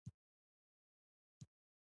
خاوره د افغان کلتور په داستانونو کې راځي.